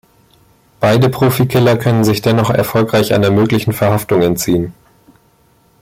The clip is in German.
Beide Profikiller können sich dennoch erfolgreich einer möglichen Verhaftung entziehen.